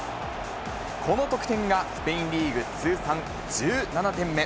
この得点が、スペインリーグ通算１７点目。